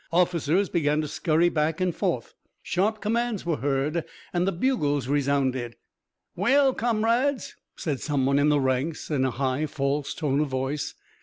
Officers began to scurry back and forth; sharp commands were heard; and the bugles resounded. "Well, comrades!" ... said some one in the ranks in a high, false tone of voice.